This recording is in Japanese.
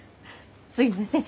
すいません。